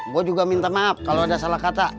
gue juga minta maaf kalau ada salah kata